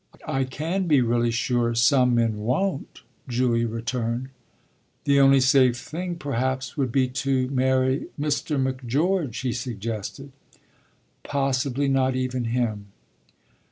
"I can be really sure some men won't!" Julia returned. "The only safe thing perhaps would be to marry Mr. Macgeorge," he suggested. "Possibly not even him."